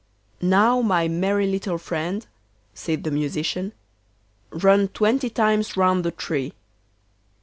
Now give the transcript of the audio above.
'Now, my merry little friend,' said the Musician, 'run twenty times round the tree.